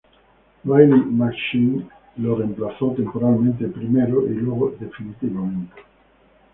Riley McShane lo reemplazó, temporalmente primero, y luego definitivamente.